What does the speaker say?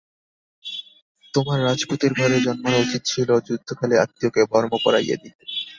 তোমার রাজপুতের ঘরে জন্মানো উচিত ছিল, যুদ্ধকালে আত্মীয়কে বর্ম পরাইয়া দিতে।